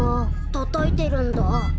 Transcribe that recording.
たたいてるんだ？